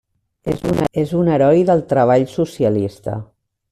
És un Heroi del Treball Socialista.